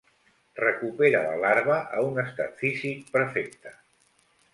Recupera la larva a un estat físic perfecte.